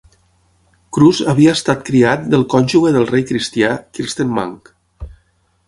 Kruse havia estat criat del cònjuge del rei cristià, Kirsten Munk.